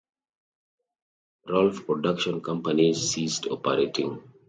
Rolfe production companies ceased operating.